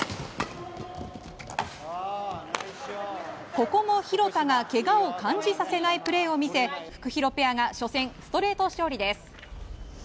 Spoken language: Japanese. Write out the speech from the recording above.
ここも廣田がけがを感じさせないプレーを見せフクヒロペアが初戦ストレート勝利です。